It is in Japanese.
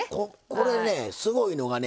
これねすごいのがね。